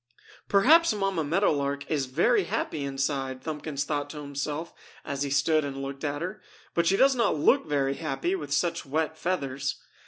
"Perhaps Mamma Meadow Lark is very happy inside!" Thumbkins thought to himself as he stood and looked at her. "But she does not look very happy with such wet feathers."